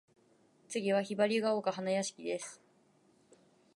次は雲雀丘花屋敷（ひばりがおかはなやしき）です。